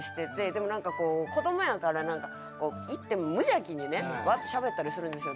でもなんか子供やからいっても無邪気にねワーッとしゃべったりするんですよ。